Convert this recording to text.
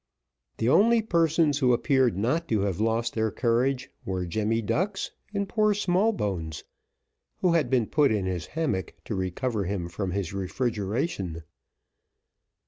The only persons who appeared not to have lost their courage were Jemmy Ducks and poor Smallbones, who had been put in his hammock to recover him from his refrigeration.